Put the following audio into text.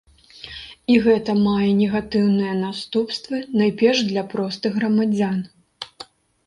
І гэта мае негатыўныя наступствы найперш для простых грамадзян.